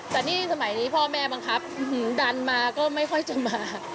แต่นี่สมัยนี้พ่อแม่บังคับดันมาก็ไม่ค่อยจะมา